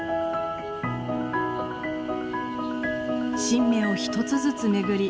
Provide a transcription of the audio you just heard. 新芽を１つずつ巡り